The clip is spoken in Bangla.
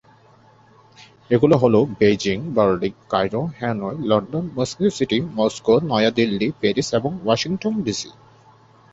এগুলো হলো Beijing, Berlin, Cairo, Hanoi, London, Mexico City, Moscow, New Delhi, Paris এবং ওয়াশিংটন ডিসি।